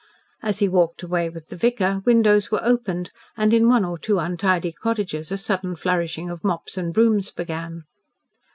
As he walked away with the vicar, windows were opened, and in one or two untidy cottages a sudden flourishing of mops and brooms began.